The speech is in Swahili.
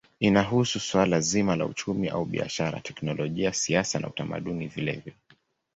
Inahusu suala zima la uchumi au biashara, teknolojia, siasa na utamaduni vilevile.